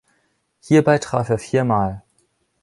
Hierbei traf er viermal.